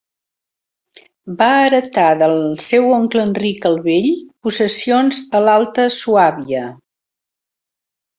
Va heretar del seu oncle Enric el Vell possessions a l'Alta Suàbia.